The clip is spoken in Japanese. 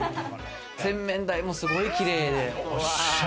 洗面台もすごい綺麗で。